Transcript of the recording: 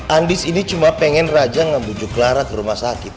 andis ini cuma pengen raja ngebujuk lara ke rumah sakit